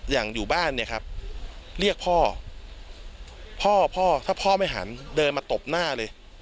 อยู่บ้านเนี่ยครับเรียกพ่อพ่อพ่อถ้าพ่อไม่หันเดินมาตบหน้าเลย